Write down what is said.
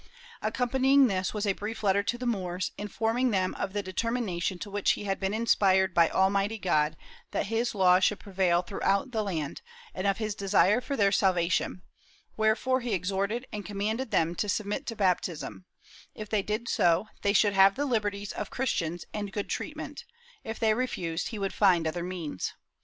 Accompanying this was a brief letter to the Moors, informing them of the determination to which he had been inspired by Almighty God that His law should prevail throughout the land, and of his desire for their salvation, wherefore he exhorted and commanded them to submit to baptism ; if they did so, they should have the liberties of Christians and good treatment ; if they refused, he would find other means.